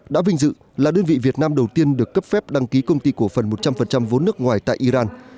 đã vinh dự là đơn vị việt nam đầu tiên được cấp phép đăng ký công ty cổ phần một trăm linh vốn nước ngoài tại iran